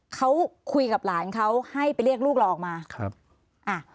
เขาคุยกับหลานเขาให้ไปเรียกลูกเราออกมาครับอ่ะ